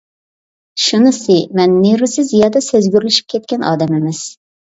شۇنىسى مەن نېرۋىسى زىيادە سەزگۈرلىشىپ كەتكەن ئادەم ئەمەس.